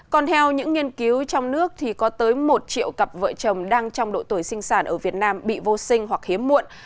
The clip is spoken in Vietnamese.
còn theo những nghiên cứu trong nước thì có tới một triệu cặp vợ chồng đang trong độ tuổi sinh sản ở việt nam bị vô sinh hoặc hiếm muộn